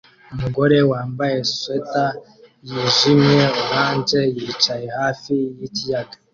Umugore wambaye swater yijimye-orange yicaye hafi yikiyaga